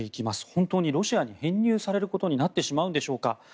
本当にロシアに編入されることになってしまうんでしょうか。